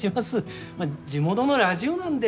まあ地元のラジオなんで。